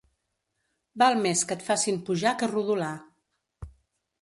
Val més que et facin pujar que rodolar.